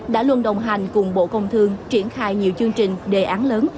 đã luôn đồng hành cùng bộ công thương triển khai nhiều chương trình đề án lớn